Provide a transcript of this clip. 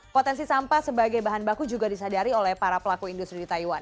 potensi sampah sebagai bahan baku juga disadari oleh para pelaku industri di taiwan